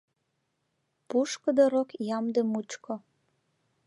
Пушкыдо рок ямде мучко